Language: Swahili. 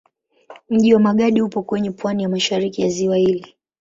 Mji wa Magadi upo kwenye pwani ya mashariki ya ziwa hili.